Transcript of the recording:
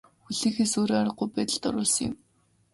Хүлээхээс өөр аргагүй байдалд оруулсан юм.